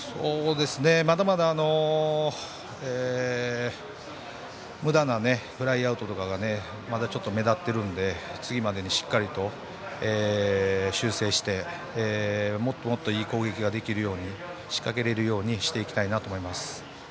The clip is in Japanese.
まだまだむだなフライアウトとかがまだちょっと目立っているので次までにしっかりと修正してもっといい攻撃ができるように仕掛けられるようにしていきたいなと思います。